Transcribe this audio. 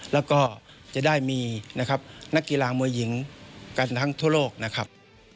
แล้วก็จะได้มีนะครับนักกีฬามวยหญิงกันทั้งทั่วโลกนะครับ